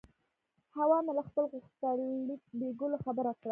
حوا مې له خپل غوښتنلیک لېږلو خبره کړه.